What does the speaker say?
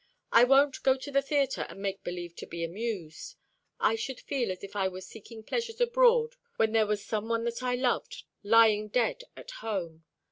I won't go to the theatre and make believe to be amused. I should feel as if I were seeking pleasures abroad when there was some one that I loved lying dead at home.